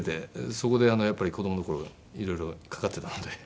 そこでやっぱり子供の頃色々かかってたので。